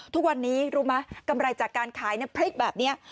ทุกวันนี้รู้ไหมกำไรจากการขายน้ำพริกแบบนี้